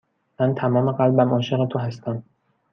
من تمام قلبم عاشق تو هستم.